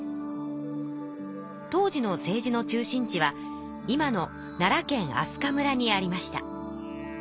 当時の政治の中心地は今の奈良県飛鳥村にありました。